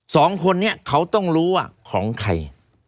สองคนนี้เขาต้องรู้ว่าของใคร